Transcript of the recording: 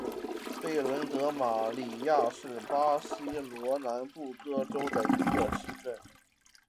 贝伦德马里亚是巴西伯南布哥州的一个市镇。